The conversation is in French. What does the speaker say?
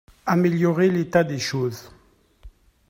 Améliorer l'état des choses.